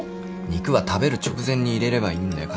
肉は食べる直前に入れればいいんだよ。